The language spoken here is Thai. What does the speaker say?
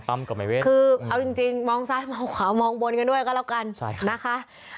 ตามปั๊มกับไมเวทคือเอาจริงจริงมองซ้ายมองขวามองบนกันด้วยก็แล้วกันใช่ค่ะนะคะ